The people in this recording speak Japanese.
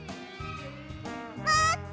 まって！